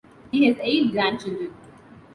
He has eight grandchildren.